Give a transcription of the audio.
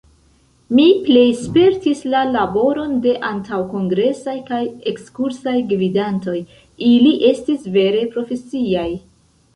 Mi plej spertis la laboron de antaŭkongresaj kaj ekskursaj gvidantoj: ili estis vere profesiaj.